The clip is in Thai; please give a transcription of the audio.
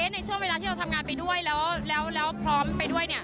ในช่วงเวลาที่เราทำงานไปด้วยแล้วพร้อมไปด้วย